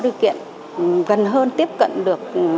điều kiện gần hơn tiếp cận được